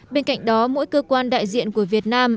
bên cạnh đó mỗi cơ quan đại diện của việt nam